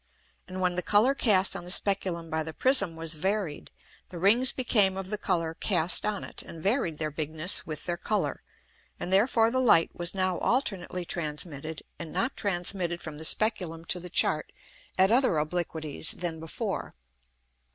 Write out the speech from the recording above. And when the Colour cast on the Speculum by the Prism was varied, the Rings became of the Colour cast on it, and varied their bigness with their Colour, and therefore the Light was now alternately transmitted and not transmitted from the Speculum to the Chart at other Obliquities than before.